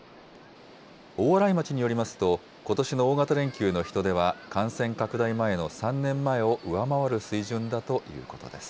大洗町によりますと、ことしの大型連休の人出は、感染拡大前の３年前を上回る水準だということです。